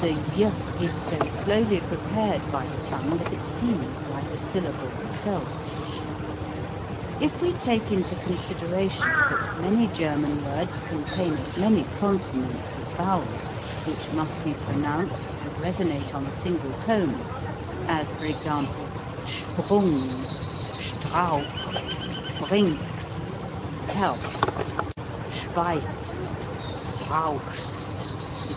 The y is so slowly prepared by the tongue that it seems like a syllable itself. If we take into consideration that many German words contain as many consonants as vowels, which must be pronounced and resonate on a single tone, as for example, Sprung, Strauch, bringst, Herbst, schweifst, brauchst, etc.